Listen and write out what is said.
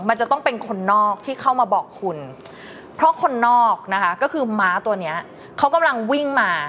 มันจะต้องเป็นคนนอกที่เข้ามาบอกคุณเพราะคนนอกนะคะก็คือม้าตัวเนี้ยเขากำลังวิ่งมา